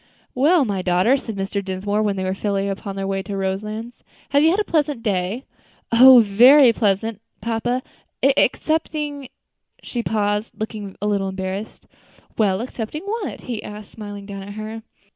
"Well, my daughter," said Mr. Dinsmore, when they were fairly upon their way to Roselands, "have you had a pleasant day?" "Oh! very pleasant, papa, excepting " She paused, looking a little embarrassed. "Well, excepting what?" he asked, smiling down at her.